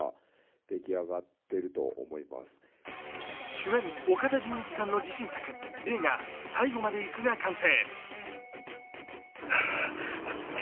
主演・岡田准一さんの自信作、映画、「最後まで行く」が完成。